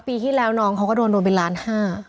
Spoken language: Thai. ปีที่แล้วน้องเขาก็โดนโดนไปล้านห้า